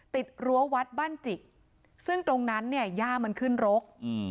รั้ววัดบ้านจิกซึ่งตรงนั้นเนี่ยย่ามันขึ้นรก